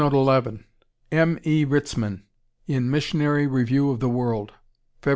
M. E. Ritzman in Missionary Review of the World, Feb.